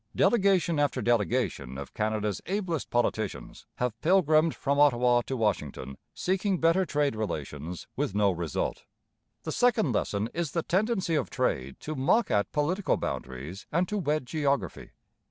Delegation after delegation of Canada's ablest politicians have pilgrimed from Ottawa to Washington, seeking better trade relations, with no result. The second lesson is the tendency of trade to mock at political boundaries and to wed geography.